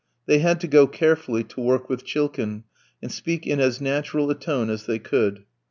They had to go carefully to work with Chilkin, and speak in as natural a tone as they could.